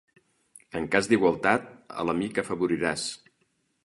En cas d'igualtat, a l'amic afavoriràs.